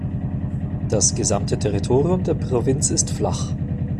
Das gesamte Territorium der Provinz ist flach.